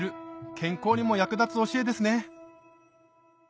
健康にも役立つ教えですね